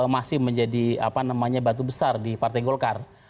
masih menjadi batu besar di partai golkar